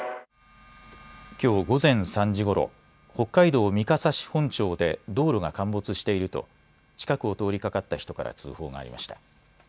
きょう午前３時ごろ、北海道三笠市本町で道路が陥没していると近くを通りかかった人から通報がありました。